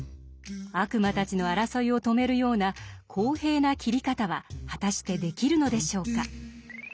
悪魔たちの争いを止めるような公平な切り方は果たしてできるのでしょうか？